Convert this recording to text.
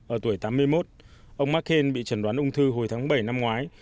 ở tuổi tám mươi một ông mccain bị chẩn đoán ung thư hồi tháng bảy năm ngoái